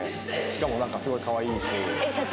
しかもなんかすごいかわいいし。